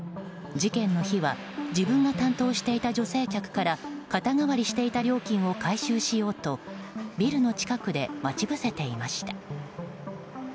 事件の日は、自分が担当していた女性客から肩代わりしていた料金を回収しようとビルの近くで待ち伏せていました。